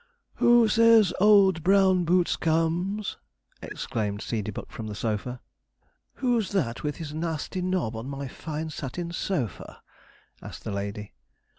'Who says old brown boots comes?' exclaimed Seedeybuck from the sofa. 'Who's that with his nasty nob on my fine satin sofa?' asked the lady.